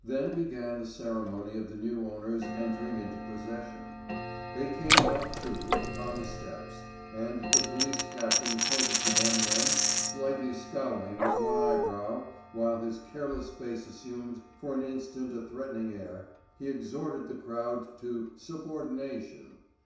Then began the ceremony of the new owners entering into possession. They came out, too, upon the steps, and the police captain pointed to them when, slightly scowling with one eyebrow, while his careless face assumed for an instant a threatening air, he exhorted the crowd to 'subordination.